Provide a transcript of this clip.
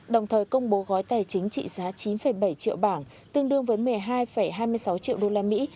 đồng thời công bố gói tài chính trị giá chín bảy triệu bảng tương đương với một mươi hai hai mươi sáu triệu đô la mỹ